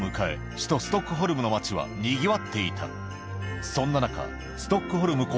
首都ストックホルムの街はにぎわっていた